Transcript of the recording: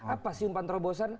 apa sih umpan terobosan